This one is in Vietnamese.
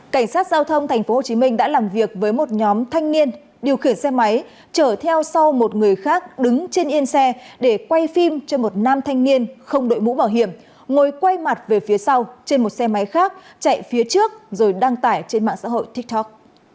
cảnh sát giao thông tp hcm đã làm việc với một nhóm thanh niên điều khiển xe máy chở theo sau một người khác đứng trên yên xe để quay phim cho một nam thanh niên không đội mũ bảo hiểm ngồi quay mặt về phía sau trên một xe máy khác chạy phía trước rồi đăng tải trên mạng xã hội tiktok